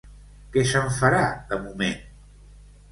Què se'n farà, de moment?